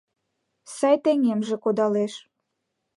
Сай таҥемже кодалеш.